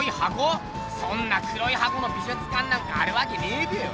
そんな黒い箱の美術館なんかあるわけねえべよ。